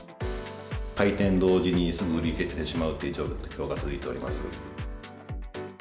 開店同時に、すぐ売り切れてしまうという状況が続いております。